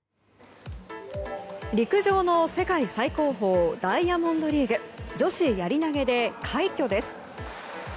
陸上の世界最高峰ダイヤモンドリーグ女子やり投げで快挙です。